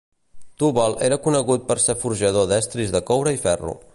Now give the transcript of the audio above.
Tubal era conegut per ser forjador d'estris de coure i ferro.